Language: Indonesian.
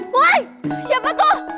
woy siapa tuh